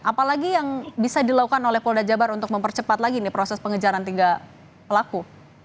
apalagi yang bisa dilakukan oleh polda jabar untuk mempercepat lagi nih proses pengejaran tiga pelaku